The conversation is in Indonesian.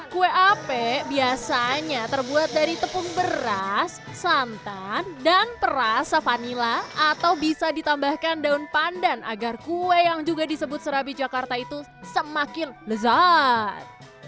kue ape biasanya terbuat dari tepung beras santan dan perasa vanila atau bisa ditambahkan daun pandan agar kue yang juga disebut serabi jakarta itu semakin lezat